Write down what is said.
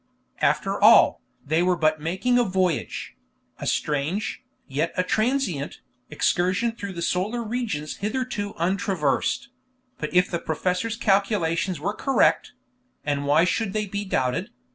After all, they were but making a voyage a strange, yet a transient, excursion through solar regions hitherto untraversed; but if the professor's calculations were correct and why should they be doubted?